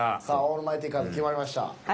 さあオールマイティーカード決まりました。